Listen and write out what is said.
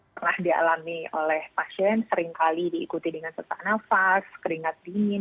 pernah dialami oleh pasien seringkali diikuti dengan sesak nafas keringat dingin